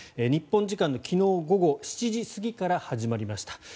日本時間昨日午後７時過ぎから始まりました。